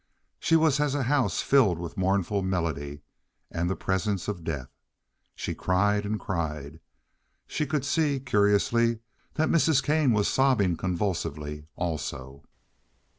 She was as a house filled with mournful melody and the presence of death. She cried and cried. She could see, curiously, that Mrs. Kane was sobbing convulsively also.